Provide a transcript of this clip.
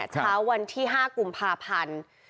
เช้าวันที่๕กุมภาพันธ์